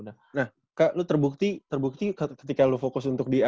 nah kak lo terbukti terbukti ketika lo fokus untuk di